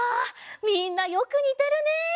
みんなよくにてるね。